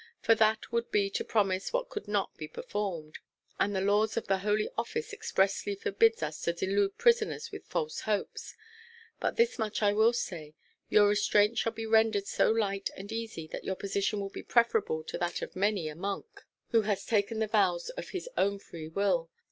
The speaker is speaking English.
For that would be to promise what could not be performed; and the laws of the Holy Office expressly forbid us to delude prisoners with false hopes.[#] But this much I will say, your restraint shall be rendered so light and easy, that your position will be preferable to that of many a monk, who has taken the vows of his own free will.